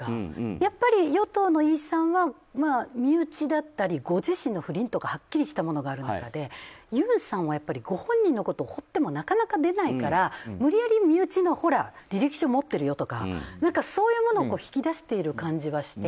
やっぱり、与党のイさんは身内だったりご自身の不倫とかはっきりしたものがあるのでユンさんはやっぱりご本人のことを掘ってもなかなか出ないから無理やり身内の履歴書を持ってるよとかそういうものを引き出している感じがして。